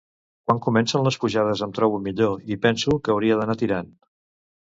Quan comencen les pujades em trobo millor, i penso que hauria d'anar tirant.